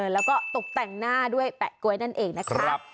แล้วก็ตกแต่งหน้าด้วยแปะก๊วยนั่นเองนะครับ